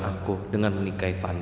aku dengan menikahi fanny